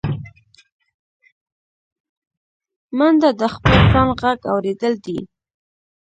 منډه د خپل ځان غږ اورېدل دي